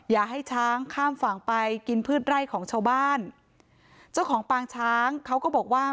อย่าให้ช้างข้ามฝั่งไปกินพืชไร่ของชาวบ้านเจ้าของปางช้างเขาก็บอกว่า